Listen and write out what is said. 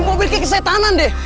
ini mobil kayak kesetanan deh